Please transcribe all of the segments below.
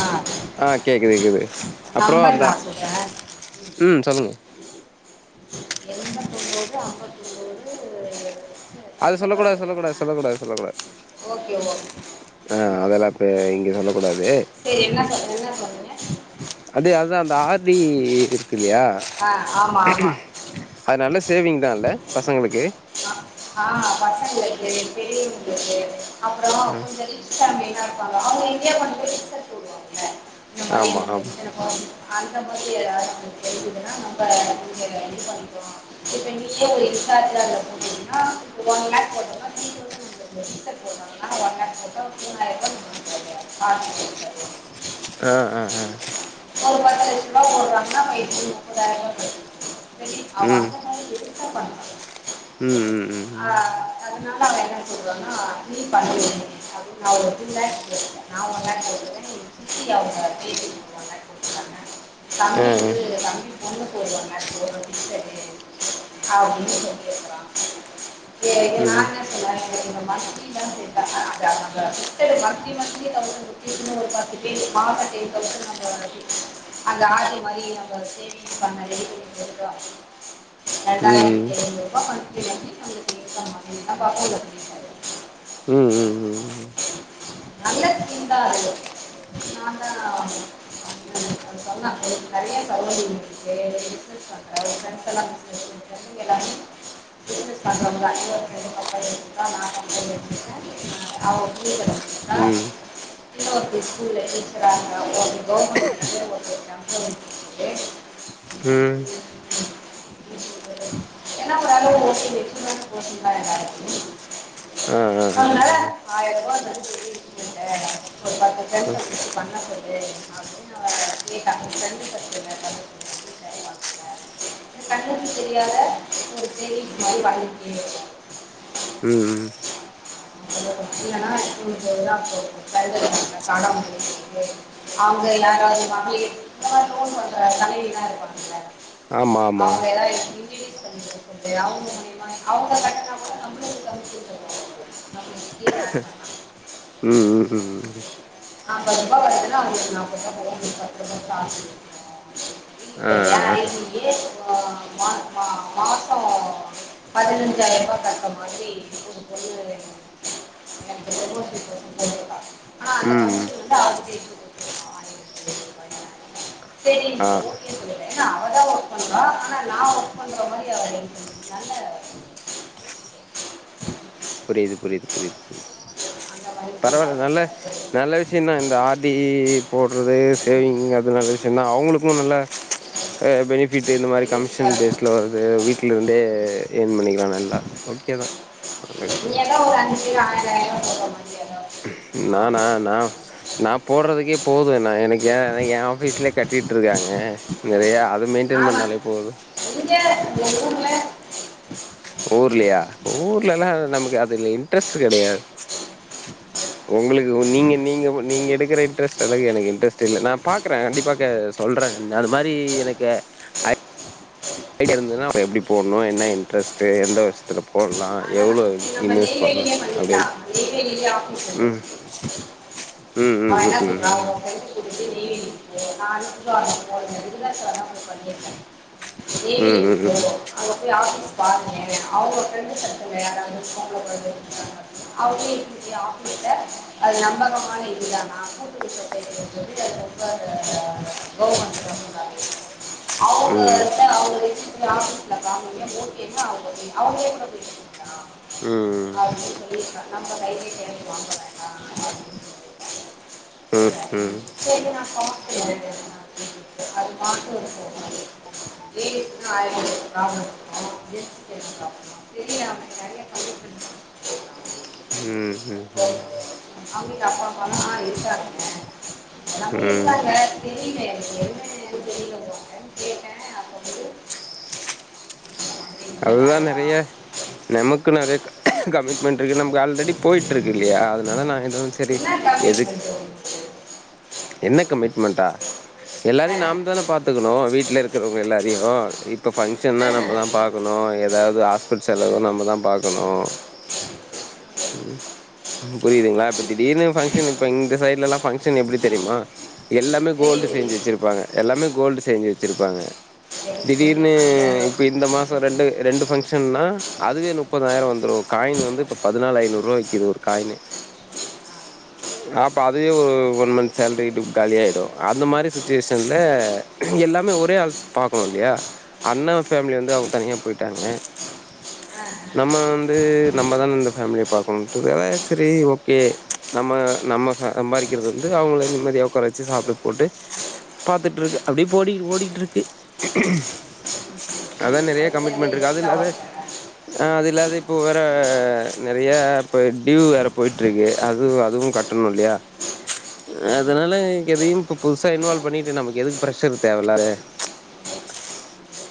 ஆ ஆஹ் கேக்குது கேக்குது அப்பறோ நம்பர் அந்த நான் சொல்கிறேன் உம் சொல்லுங்க எண்பத்து ஒன்போது ஐம்பத்து ஒன்போது அது சொல்லக்கூடாது சொல்லக்கூடாது சொல்லக்கூடாது சொல்லக்கூடாது ஓகே ஓகே ஆஹ் அதெல்லாம்ப இங்க சொல்லக்கூடாது சரி என்ன சொன்னா என்ன சொன்னிங்க அதே அதுதான் அந்த ஆர்டடி இருக்கு இல்லையா ஆ ஆமாம் ஆமாம் அது நல்ல சேவிங் தான் இல்ல பசங்களுக்கு எனக்கு தெரியுங்க தேனு அப்புறமா ஆ கொஞ்ச ரிஸ்டா மீனா அமைதியா கொண்டு போய் டேஸ்டா சுடுவாங்கல்ல இந்தமாரி ஆமா ஆமா எனக்கு [inaudible] அந்த மாதிரி எதும் தெரி்சுதுன்னா நம்ம கொஞ்ச இது பண்ணிக்கோம் இப்ப நீயே ஒரு ரீசார்ஜ் போனீங்கன்னா ஒன் யர் போட்டா த்ரீ தொசண்ட்ச் வந்துருது ஆனா ஒன் யர் போட்டால் மூனாயிரம் ரூபாய் வரும் ஆ ஆஹ் ஆஹ் ஆஹ் [unintelligible] அவ ம் அந்த மாரி இருந் என்ன பண்றது ம் ம் ம் அதனால அவ என்ன சொல்வான்னா நீ பண்ண அப்படின்னு நான் த்ரீ பாக்ஸ் போட்டுட்ட நான் ஒன் லாக் போட்டு இருக்கேன் எங்க சித்தி அவங்க பேத்திக்கு ஒன் லாக் போட்டு இருக்காங்க ஆ தம்பி ஆ வந்து தம்பி பொண்ணுக்கு ஒரு ஒன் லாக் போட்டு இருக்கா ஃபிக்ஸ் எடுக்க முடியாது அப்படின்னு சொல்லி இருக்கான் ம் ம் ம் நான் என்ன சொன்னேன்னா ஒரு பத்து பேர் மாச நம்ம அந்த ஆடி மாதிரி நம்ம சேவிங் பண்ண இரண்டாயிரத்தி ம் எழுபது ரூபாய் நம்ம இருக்கப்பா ம் ம் நல்ல தீந்தாக இருக்கும் நான் சொன்னாங்க நிறைய சகல இருக்கு பிஸ்னஸ் பண்ணுறன் ஃப்ரெண்ட்ஸ் எல்லாம் பிஸ்னஸ் பண்ணே நீங்கள் எல்லாமே பிஸ்னஸ் பண்ணுறவங்க அர் கனி எ தான் நான் கம்பெனி வச்சிருக்கேன் ந அவன் ம் இன்னொருதவங்க ஸ்கூல்ல டீச்சரா இருந்தாங்க கவர்மெண்ட் ஸ்கூல் ஆ ஆ ஆ [unintelligible] ஒரு பத்து ஃப்ரெண்ட்ஸ் கூப்பிட்டு பண்ண சொல்லு அப்படின்னு கேட்டா கண்ணுக்குத் தெரியாத ம் ம் இல்லனா எல்லாம் போட்டு அவங்க எல்லாராவது வாங்கி இந்த மாதிரி லோன் வாங்குற தளைவி எல்லா இருப்பாகள ஆமா ஆமா அவங்கள எதாவது கிண்டி அவுங்க [inaudible] [inaudible] [inaudible] ம் ம் ம் ஐம்பது ரூபாய் வரதுன்ன அவங்களுக்கு நாப்பது போவு பத்து ரூபாய ஆ இப்ப ஆ ஏ மாசம் பதினஞ்சாயிரம் ரூபாய் கட்ர மாதிரி சொண்ண எனக்கு பொ ஆனா அந்த ம் கந்து ஆ சஓ ஏன்னா அவதான் ஒர்க் பண்றான் ஆனா நான் ஒர்க் பண்ற மாதிரி அவ நல்ல புரிது புரிது புரிது புரிது அந்த மாதிரி பரவாயல சொன்னாங்க நல்ல சார் சரி நல்ல விஷயம்தான் இந்த ஆர்டி போடுறது சேவிங் அது நல்ல விஷயம்தான் அவங்களுக்கும் நல்ல பெனிபிட் இந்த மாதிரி கமிஷன் வெளியிட்டாரு பேஸ்ல வருது வீட்டுல இருந்தே ஏன் பண்ணிக்கலாம் நல்லா ஓகேதான் நல்ல விஷயம்தான் ஏதோ ஒரு அஞ்சு பேர் ஆயிரம் போடுற மாதிரி ஏதோ நானா ஆமா நான் நான் போடுறதுக்கே போதும் எனக்கு ஏ என் ஆபீஸ்லயே கட்டிட்டு இருக்காங்க நிறைய அது மெயின்டென் ஆமா பண்ணாலே போதும் இங்க இந்த ஊர்ல ஊர்லையா ஊர்ல எல்லாம் நமக்கு அதுல இன்ட்ரெஸ்ட் கிடையாது உங்களுக்கு நீங்க நீங்க நீங்க எடுக்கிற இன்ட்ரெஸ்ட் அளவுக்கு எனக்கு இன்ட்ரெஸ்ட் நான் பாக்குறேன் கண்டிப்பா சொல்றேன் அது மாதிரி எனக்கு ஜோடியா இருந்ததுன்னா எப்படி போடணும் என்ன இன்ட்ரெஸ்ட் எந்த விருஸயத்துல போடலாம் ஆனா எவ்வளவு நம்ம நேய்வேளிலையே பன்னிக்கள நெய்வேலி ஆபீஸ் இருக்கு ம் ம் ம் அவன் என்ன சொல்றா ம் உன் ப்ரெண்ட் [unintelligible] பண்ணிருக்கேன் ம் ம் ம் நேய்வெளி ம் ம் ம் ம் ம் ம் அங்க போய் ஆபீஸ் பாருங்க உங்க பிரெண்ட்ஸ் சர்க்கிள் யாராவது அவ்ளோ பெரிய ஆபீஸ்ல அது நம்பகமான இதுதான் நான் கூட்டுக்கது ரொம்ப கவர்மெண்ட் எம்ப்ளாய் அவங்ககிட்ட அவங்க வாங்கினது மூணு பேரு [unintelligible] அவங்க டீமா அப்படின்னு சொல்லிருக்காங்க நம்ம கையிலே கேட்டு வாங்கல [unintelligible] கேக்க மாட்டோம் அது மா போ தெரியாம நறைய [unintelligible] [unintelligible] உம் உம் உம் ஆஹ் இருக்குறாங்க நம்பி ம் ம் இருக்குறாங்க தெரியலயே எதுவுமே எனக்கு தெரியலனுறாங்க கேட்டேன் அது வந்து அப்படி இல்லை அதுதான் நெறைய வேண்டாம் நமக்கு நெறைய கமிட்மெண்ட் இருக்கு நமக்கு ஆல்ரெடி போயிட்டு இருக்கு இல்லையா அதனால நான் எதும் செரி என்ன எது கமிட்மெண்ட் உங்களுக்கு என்ன கமிட்மெண்ட்டா ஆ எல்லாரையும் நாம தானே பாத்துக்கணும் வீட்ல இருக்கிறவுங்க எல்லாரையும் இப்ப ஆ. பங்க்ஷன்னா நம்மதான் பாக்கணும் ஏதாவது ஹாஸ்பிடல் செலவு நம்ம தான் பாக் னும் புரியுதுங்களா இப்ப திடீர்னு பங்ஷன் வைப்பாங்க இந்த சைடுடெலாம் பங்ஷன் எப்டி தெரியுமா எல்லாமே தெரியும் கோல்டு செஞ்சு தெரியும் வச்சுருப்பாங்க எல்லாமே கோல்டு செஞ்சு வச்சுருப்பாங்க எனக்கு திடீர்னு தெரியும் அந்த இப்ப இந்த மாசம் ரெண்டு ரெண்டு பங்ஷன்னா அதுவே முப்பதாயிரம் வந்துரும் ஒரு காயின் வந்து பதினாலு ஐநூறுபா விக்குது ஒரு காயினே அப்ப அதே ஒன் மன்த் சேல்ரிடு காலியாகிடும் அந்த மாரி சுச்சுவேஷன்ல எல்லாமே ஒரே ஆள் பார்க்கணும் இல்லையா அண்ணன் ஃபேமிலி வந்து அவுங்க தனியா போயிட்டாங்க ஆ ஆ நம்ம வந்து நம்ம தான் இந்த ஃபேமிலிய பாக்கணும்ட்டு செரி ஓகே நம்ம நம்ம சம்பாதிக்கிறது வந்து அவுங்க இந்த மாரி உக்கார வச்சு சாப்பாடு போட்டு பாத்துட்டு இருக்கு அப்டியே ஓடிட்டு இருக்கு அதான் நெறைய அதுக்கு தான் இந்த கமிட்மெண்ட் இருக்கு அது எக்ஸ்ட்ரா இல்லாத அது இல்லாத இப்போ வேற நெறைய இப்ப டியூவு வேற போயிட்டு இருக்கு அது அதுவும் கட்டணும் இல்லையா அதனால எதையும் இப்ப புதுசா இன்வால்வ் பண்ணிட்டு நமக்கு எதுக்கு ப்ரெஷர் தேவையில்லாத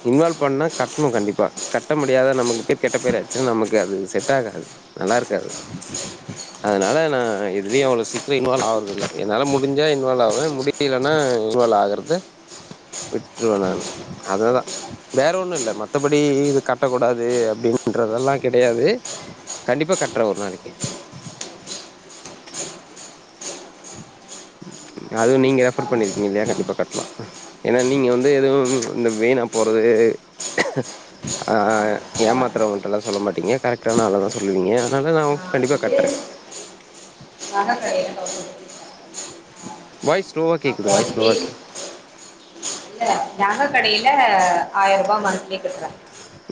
இன்வால்வ் பண்ணா கட்டணும் கண்டிப்பா கட்ட முடியாத நமக்கு பேர் கெட்ட பேராச்சுன்னா நமக்கு அது செட் ஆகாது நல்லா இருக்காது அதனால நான் எதுலையும் அவ்ளோ சீக்கிரம் இன்வால்வ் ஆவுறதில்ல என்னால முடிஞ்சா இன்வால்வ் ஆவேன் முடியலைன்னா இன்வால்வ் ஆகுறத விட்டுருவேன் நானு அததான் வேற ஒண்ணும் இல்ல மத்தபடி இது கட்டக்கூடாது அப்டின்றதெல்லாம் கிடையாது கண்டிப்பா கட்றேன் ஒரு நாளைக்கு அதுவும் நீங்க ரெஃபர் பண்ணிருக்கீங்க இல்லையா ஒர்க் கண்டிப்பா கட்டலாம் ஏன்னா நீங்க வந்து எதுவும் இந்த வீணா போறது நான் ஆஹ ஏமாத்துறவுங்க கிட்டெல்லாம் சொல்ல மாட்டீங்க கரெக்டான ஆலதான் சொல்லுவீங்க அதனால நான் கண்டிப்பா வந்து கட்றேன் நகை கடையில் வாய் ஸ்லோவ கேக்குது அப்புறம் வாய் வந்து ஸ்லோவ பேசி கேக் நக கடையில ஆயிரம் ரூபா மன்த்லி கட்றேன்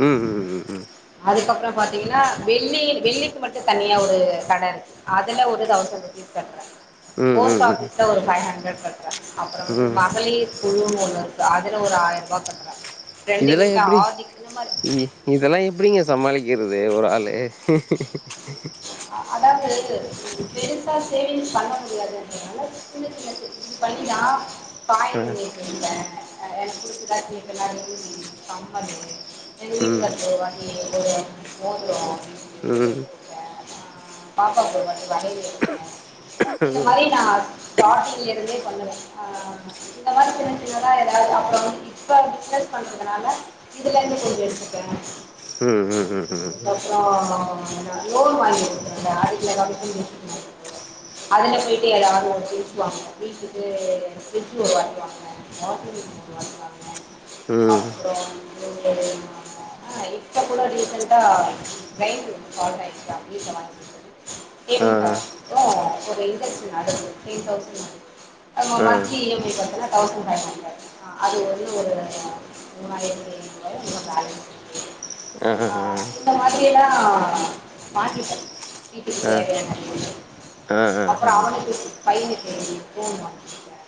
உம் உம் உம் உம் உம் அதுக்கப்புறம் பாத்தீங்கன்னா வெள்ளி வெள்ளிக்கு மட்டும் தனியா ஒரு கடை இருக்கு அதுல ஒரு தவுசன் ருபீஸ் கட்றேன் ம் போஸ்ட் ம் ம் ஆபிஸ்ல ஒரு ஃபைவ்ஹண்ட்ரெட் அப்புறம் வந்து ம் ம் மகளிர் குழுனு ஒன்னு இருக்கு அதுல ஒரு ஆயிரம் ரூபாய் கட்றேன் இதெல்லாம் எப்டி இதெல்லாம் எப்படிங்க சமாளிக்கிறது ஒரு ஆளு அதாவது பெருசா சேவிங்ஸ் பண்ண முடியாதுன்றதுனால சின்ன சின்ன சேவிங்ஸ் இது பண்ணிக்கலாம் [unintelligible] [unintelligible] ஆ எல்லாம் பூட்டி சதாத்திக்குல்லாம் இருக்கு காம்போண்டு எங்க ம் வீட்டுகாருகிட்ட வாங்கி ஒரு மோதிரம் உம் பாப்பா பேரு வந்து வகன்னு வச்சு இருக்கேன் இந்த மாரி நான் ஸ்டாட்டிங்ல இருந்தே ல்ல இந்த மாரி ஏதாவதுறம் இப்ப பிஸ் பண்றதுனால இதுல இருந்து கொஞ்சம் எடுத்துக்கன் ம் ம் ம் ம் அதுக்கப்பறம் லோன் வாங்கி ல போய வீட்டுக்கு ம் உருவா [unintelligible] வீட்ட மாிது ஆ பேமெண்ட் மட்டும் ஒரு இன்ட்ரெஸ்டன் அடுப்பு டென் தௌசண்ட் அது ஆ மந்தத்லி இ எம் ஐ பார்த்தோனா தௌசண்ட் ஃபைவ் ஹண்ட்ரட் அது வந்து ஒரு மூணாயிர ரொ பேலன்ஸ் ஆ ஆ ஆ இந்த மாதிரியல்லாம் வாங்கிட்டேன் வீட்டுக்கு தேவையான ஆ ஆ ஆ ஆ அப்பறம் அவனுக்கு பையனு தேடி ஃபோன் மாட்டக்க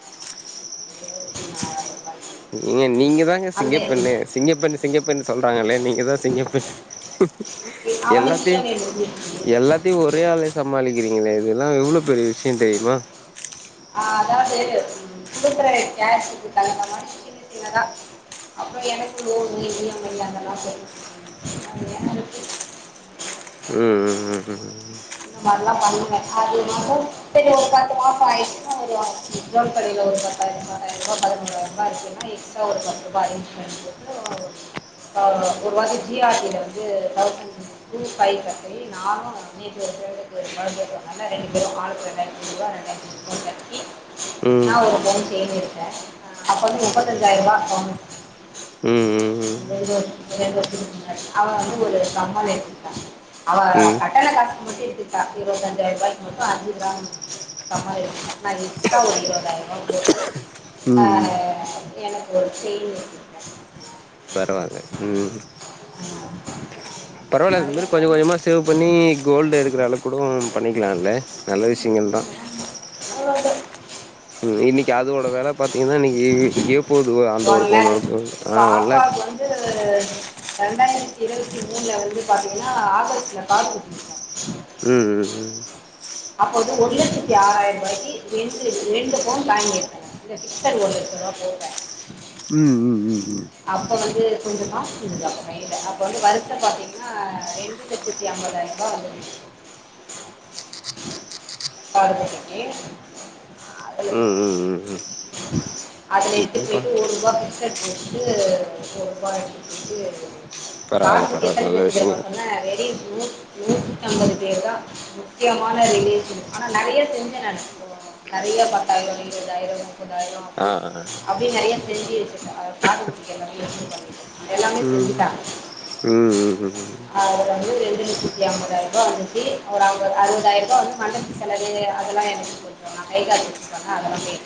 எத்தி நாலாயம் ரூபாய்க நீங்க [unintelligible] நீங்க தாங்க சிங்கப்பெண்ணே சிங்கப்பெண் சிங்கப்பெண் சொல்றாங்கல்ல நீங்க தான் சிங்கப்பெண் அவனுக்கு எல்லாத்தையு இஎம்ஐ முடிஞ்சிருச்சு எல்லாத்தையு ஒரே ஆளே சமாளிக்கிறீங்களே இது அதல்லாம் எவ்ளோ பெரிய விஷயம் தெரியுமா ஆஹ் அதாவ சரி கொடுக்குற கேஷ இருக்கு தாங்க மனுஷு சின்ன சின்னதான் அப்பறம் எனக்கு லோன் இம இல்ல அதெல்லாம் ச உம் உம் உம் அ ஒரு பத்து மாசம் ஆயச்சு எக்சாம் கடையில ஒரு பாயிரம்யிரம் ரூப பதிமூாயிரம் ரூபாய இருக்குன்னா எக்ஸ ஒரு ரூப்ச ஒரு ஜிஆசி நானும் [unintelligible] க்க ம் ம் ம் ம் முப்பத்திர ம் ம் [unintelligible] மட்டும் எடுத்துக்கிட்டா இருப்பதஞ்சயிரம் ரூபாய்க்கு மட்டும் அஞ்சு கிராம் கம்பல் எடுத்துக்கிட்டா நா எக்ஸ்ட்ரா ஓரு இருாயிரம் ரூபா போட்டு ம் ம் ஆஹ் எனக்கு ஒரு செயின் பரவால்ல பரவாயில்ல இது நிறைய மாரி கொஞ்ச பண்ணேன் கொஞ்சமா சேவ் பண்ணி கோல்டு எடுக்கிறளவு கூட பண்ணிக்கலாம்ல நல்ல விஷயங்கள் தான் அவ்வளோதான் உம் இன்னைக்கு அதோட வெல பாத் தீங்கன்னா இன்னைக்கு எங்கே போகுது அந்த ஒரு ஒன் லேக் பொவுன்க்கு ஒன் லேக் இரண்டாயிரத்தி இருபத்தி மூணுல வந்து பாத்தீங்கன்னா ஆகஸ்ட்ல காது குத்திருக்கோம் உம் உம் உம் அப்போது ஒரு லட்சத்தி ஆறாயிரம் ரூபாயிக்கு ரெண்டு ரெண்டு பவுன் வாங்கிருப்பேன் இந்த பிக்சட் ஒரு லட்சம் ரூபாய் போட்டேன் உம் உம் உம் உம் அப்போ வந்து கொஞ்சம் காசு இருந்தது அப்ப கை யில அப்ப வந்து வருச பாத்தீங்கன்னா ரெண்டு லட்சத்தி ஐம்பதாயிரம் ரூபாய் வந்து பார்மி அத ம் ம் ம் [unintelligible] அதுல ம் எடுத்து ம்பா போய்ட்டு ஒரு ரூபா பிஸேட் போட்டு ஒரு ரூபா எடுத்து போட்டு பரவால்ல காது குத்துக்கு பரவால்ல எத்தன நல்ல பேருக்கு தெரியுமா விஷயங்கள் சொன்னேன் வெறும் நூறு நூத்தம்பது பேர் தான் முக்கியமான ரிலேஷன் ஆனா நெறைய செஞ்சேன் நானு நெறைய பத்தாயிரம் இருபதாயிரம் முப்பது ஆயிரம் ஆ ஆ அப்படியே நிறைய செஞ்சிவச்ச காது குத்துக்கு எல்லாமே நிறைய பண்ணிக்கே எல்லாமே ம் செஞ்சுட்டங்க ம் ம் ம் அவர் வந்து ஏம்பாதயிருப்பா வந்துச்சு ஓரு அறுபதாயிரரூபா வந்து மண்டபத்து செலவு அதெல்லாம் எனக்கு கொடுத்துரு கை காசு வச்சு பண்ண அதெல்லாம் போய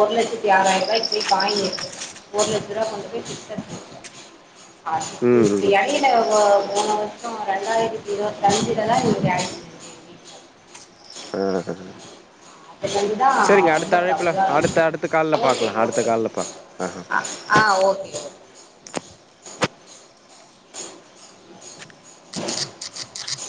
ஒரு லட்சத்தி ஆறாயபா இப்படி காயின் எடுத்தேன் ஒரு லட்சருபா கொண்டு போய் ஃபிக்ஸட் போட்டேன் அதுக்கு ம் இப்ப ம் இடையில போன வருஷம் ரெண்டாயிரத்தி இருபத்தஞ்சுல லா இவரு ஆ ஆ [unintelligible] ரெண்டு தான் சரிங்க அடுத்த அழைப்புல ரெம்பகவலையா இருக்கு அடுத்த அடுத்த கால்ல ஓகே பாக்கலா அடுத்த ஓகே கால்ல பாக்கலா ஓகே ஆ ஆ ஓகே ஓகே [unintelligible]